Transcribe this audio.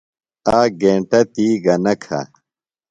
آک گینٹہ تی گہ نہ کھہ۔